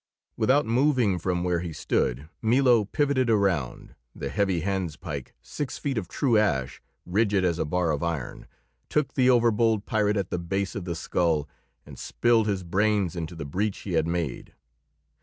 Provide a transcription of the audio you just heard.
Without moving from where he stood, Milo pivoted around, the heavy handspike six feet of true ash rigid as a bar of iron, took the overbold pirate at the base of the skull and spilled his brains into the breach he had made.